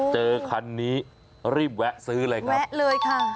เจอคันนี้รีบแวะซื้อเลยครับแวะเลยค่ะ